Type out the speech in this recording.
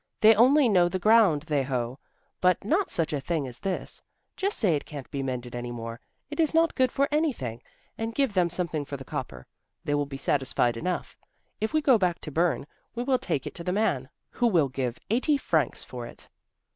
They only know the ground they hoe, but not such a thing as this. Just say it can't be mended any more, it is not good for anything, and give them something for the copper. They will be satisfied enough. If we go back to Bern we will take it to the man, who will give eighty francs for it."